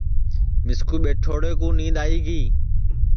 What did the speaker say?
مِسکُو ٻیٹھوڑے کُو نِینٚدؔ آئی گی